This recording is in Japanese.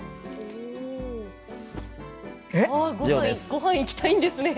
ごはん行きたいんですね？